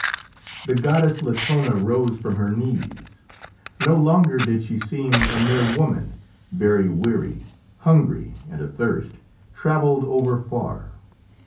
The goddess Latona rose from her knees. No longer did she seem a mere woman, very weary, hungry and athirst, travelled over far.